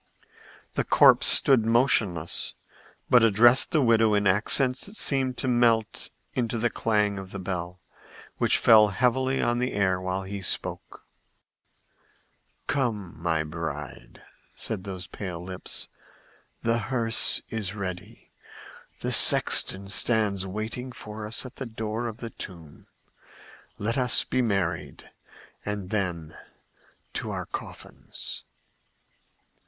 The corpse stood motionless, but addressed the widow in accents that seemed to melt into the clang of the bell, which fell heavily on the air while he spoke. "Come, my bride!" said those pale lips. "The hearse is ready; the sexton stands waiting for us at the door of the tomb. Let us be married, and then to our coffins!"